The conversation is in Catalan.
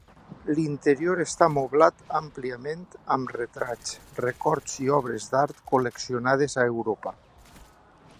L'interior està moblat àmpliament amb retrats, records i obres d'art col·leccionades a Europa.